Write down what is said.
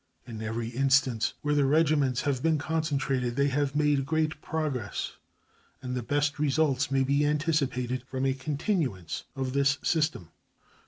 In every instance where the regiments have been concentrated they have made great progress, and the best results may be anticipated from a continuance of this system.